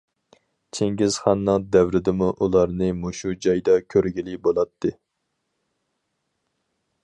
چىڭگىزخاننىڭ دەۋرىدىمۇ ئۇلارنى مۇشۇ جايدا كۆرگىلى بولاتتى.